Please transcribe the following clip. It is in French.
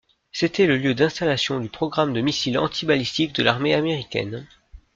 C'était le lieu d'installation du programme de missiles anti-balistiques de l'armée américaine.